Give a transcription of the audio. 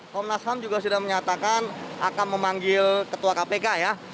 komnas ham juga sudah menyatakan akan memanggil ketua kpk ya